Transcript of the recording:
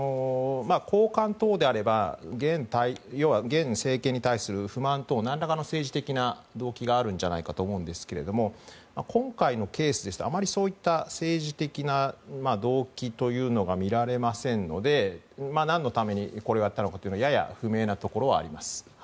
高官等であれば要は現政権に対する不満等何らかの政治的な動機があるんじゃないかと思うんですけれども今回のケースですとあまりそういった政治的な動機というのが見られませんので何のためにこれをやったのかというのはやや不明なところはあります。